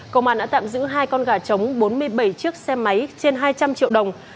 công an đã tạm giữ hai con gà trống bốn mươi bảy chiếc xe máy trên hai trăm linh triệu đồng